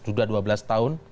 sudah dua belas tahun